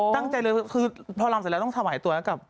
ตั้งใจเลยคือพอรำเสร็จแล้วต้องถวายตัวให้กับ